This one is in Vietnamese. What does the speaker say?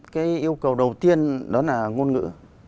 cái yêu cầu đầu tiên đó là ngôn ngữ